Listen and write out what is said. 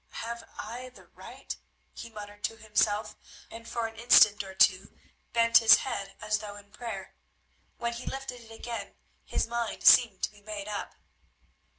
"Have I the right?" he muttered to himself, and for an instant or two bent his head as though in prayer. When he lifted it again his mind seemed to be made up.